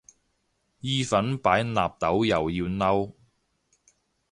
意粉擺納豆又要嬲